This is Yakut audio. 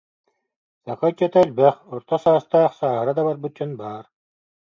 Саха ыччата элбэх, орто саастаах, сааһыра да барбыт дьон баар